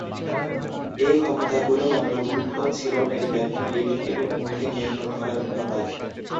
এই ক্ষমতাগুলোর অন্তর্ভুক্ত ছিল টেলিপ্যাথি, লিফট এবং মনকে নিয়ন্ত্রণ করার ক্ষমতা।